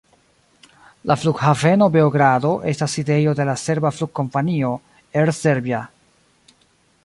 La Flughaveno Beogrado estas sidejo de la serba flugkompanio, Air Serbia.